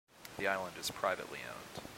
The island is privately owned.